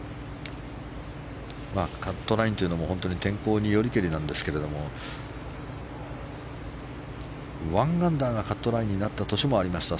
カットラインというのも、本当に天候によりけりなんですけれども１アンダーがカットラインになった年もありました